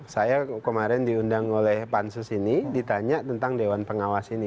saya kemarin diundang oleh pansus ini ditanya tentang dewan pengawas ini